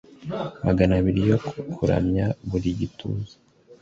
Magana abiri yo kuramya buri gituza